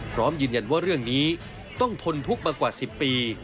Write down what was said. พร้อมยืนยันว่าเรื่องนี้ต้องทนทุกข์มากว่า๑๐ปี